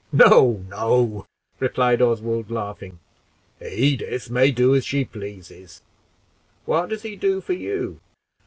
"No, no," replied Oswald, laughing; "Edith may do as she pleases. What does he do for you?"